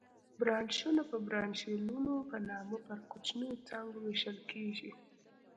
برانشونه په برانشیولونو په نامه پر کوچنیو څانګو وېشل کېږي.